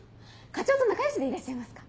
課長と仲良しでいらっしゃいますか？